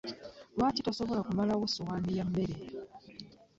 Lwaki tosobola kumalawo sowaani y'emmere?